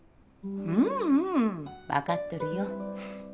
ううん。分かっとるよ。